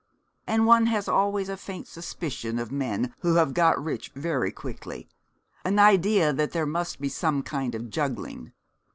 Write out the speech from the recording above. And one has always a faint suspicion of men who have got rich very quickly, an idea that there must be some kind of juggling.